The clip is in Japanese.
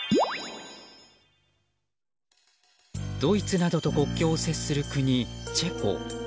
ドイツなどと国境を接する国チェコ。